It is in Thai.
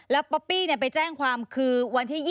แล้วป๊อปปี้ไปแจ้งความคือวันที่๒๒